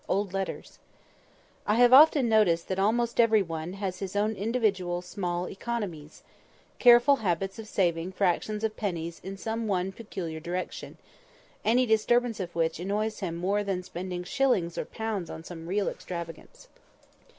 OLD LETTERS I HAVE often noticed that almost every one has his own individual small economies—careful habits of saving fractions of pennies in some one peculiar direction—any disturbance of which annoys him more than spending shillings or pounds on some real extravagance.